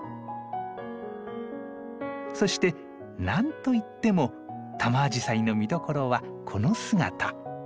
そして何といってもタマアジサイの見どころはこの姿。